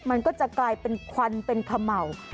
มันก็จะกลายเป็นควันเป็นเขม่า